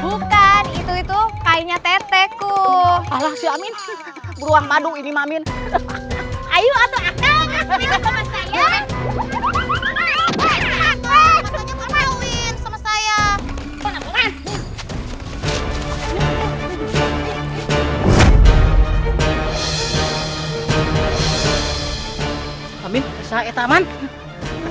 bukan itu kainnya teteku ala si amin beruang padung ini mamin ayo atau akan